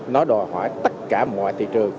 nó đòi hỏi tất cả mọi thị trường